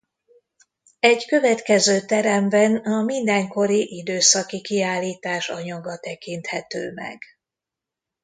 Egy következő teremben a mindenkori időszaki kiállítás anyaga tekinthető meg.